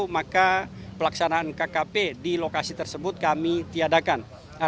maka pelaksanaan kkp di lokasi tersebut kami tiadakan